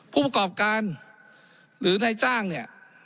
ผู้ประกอบการหรือนายจ้างเนี่ย